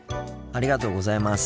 ありがとうございます。